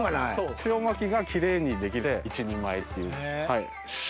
潮まきがキレイにできると一人前っていう。